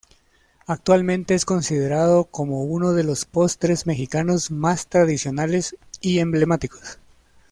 Actualmente es considerado como uno de los postres mexicanos más tradicionales y emblemáticos.